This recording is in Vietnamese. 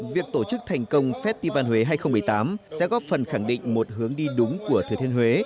việc tổ chức thành công festival huế hai nghìn một mươi tám sẽ góp phần khẳng định một hướng đi đúng của thừa thiên huế